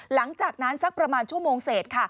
หลังจากนั้นสักประมาณชั่วโมงเศษค่ะ